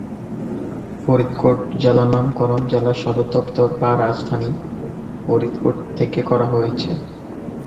ফরিদকোট জেলার নামকরণ জেলার সদরদপ্তর বা রাজধানী ফরিদকোট থেকে করা হয়েছে।